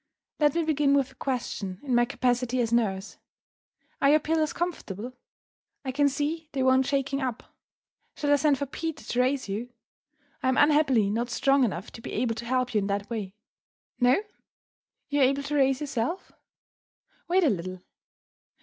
Let me begin with a question, in my capacity as nurse. Are your pillows comfortable? I can see they want shaking up. Shall I send for Peter to raise you? I am unhappily not strong enough to be able to help you in that way. No? You are able to raise yourself? Wait a little.